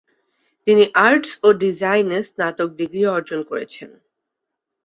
তিনি আর্টস ও ডিজাইনে স্নাতক ডিগ্রি অর্জন করেছেন।